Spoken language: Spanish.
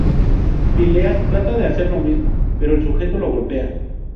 Phileas trata de hacer lo mismo, pero el sujeto lo golpea.